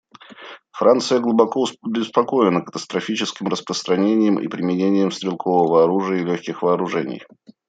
Франция глубоко обеспокоена катастрофическим распространением и применением стрелкового оружия и легких вооружений.